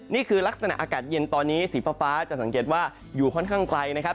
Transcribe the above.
นี่คือลักษณะอากาศเย็นตอนนี้สีฟ้าจะสังเกตว่าอยู่ค่อนข้างไกลนะครับ